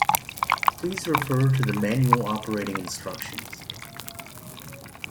Please refer to the manual operating instructions